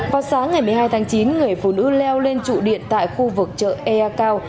vào sáng ngày một mươi hai tháng chín người phụ nữ leo lên trụ điện tại khu vực chợ ea cao